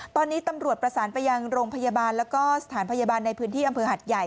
ตอนนี้ตำรวจประสานไปยังโรงพยาบาลแล้วก็สถานพยาบาลในพื้นที่อำเภอหัดใหญ่